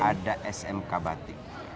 ada smk batik